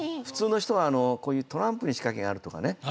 普通の人はあのこういうトランプに仕掛けがあるとかね